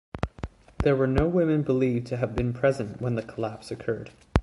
There were no women believed to have been present when the collapse occurred.